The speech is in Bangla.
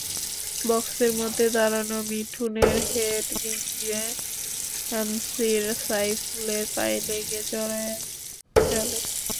বক্সের মধ্যে দাঁড়ানো মিঠুনের হেড বিজেএমসির সাইফুলের পায়ে লেগে জড়ায় জালে।